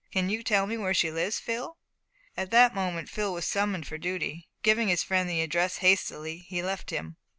Can you tell me where she lives, Phil?" At that moment Phil was summoned for duty. Giving his friend the address hastily, he left him.